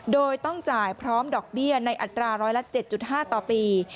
โดยต้องจ่ายพร้อมดอกเบี้ยในอัตราร้อยละ๗๕ต่อปี